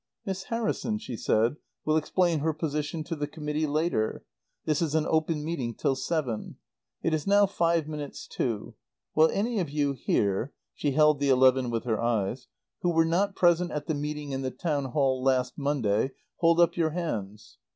"Miss Harrison," she said, "will explain her position to the Committee later. This is an open meeting till seven. It is now five minutes to. Will any of you here" she held the eleven with her eyes "who were not present at the meeting in the Town Hall last Monday, hold up your hands.